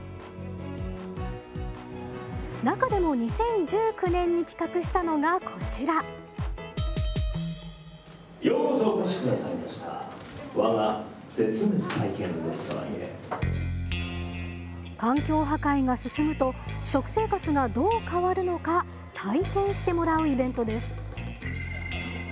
中でも２０１９年に企画したのがこちら環境破壊が進むと食生活がどう変わるのか体験してもらうイベントです